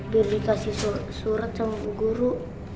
billy dikasih surat sama bu guru